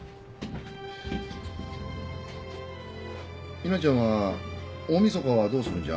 ミナちゃんは大晦日はどうするんじゃ？